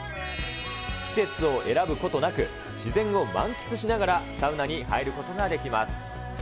季節を選ぶことなく、自然を満喫しながらサウナに入ることができます。